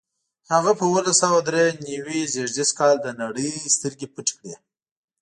هغه په اوولس سوه درې نوي زېږدیز کال له نړۍ سترګې پټې کړې.